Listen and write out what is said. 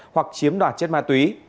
hoặc chiếm đoạt chất ma túy